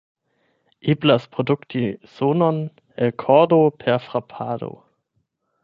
Eblas produkti sonon el kordo per frapado.